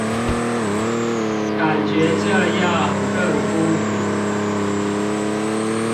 感覺這樣更孤獨